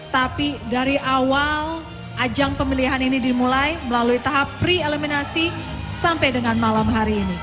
tapi dari awal ajang pemilihan ini dimulai melalui tahap pre eliminasi sampai dengan malam hari ini